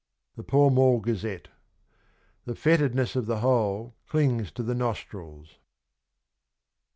THE PALL MALL GAZETTE. ... The foetidness of the whole clings to the nostrils.